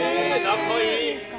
仲いい！